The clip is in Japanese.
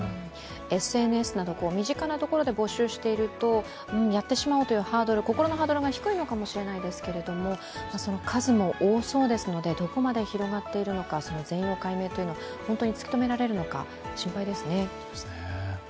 ＳＮＳなど身近なところで募集しているとやってしまおうという心のハードルが低いのかもしれないですけどその数も多そうですのでどこまで広がっているのかその全容解明というのが本当に突き止められるのか心配ですね。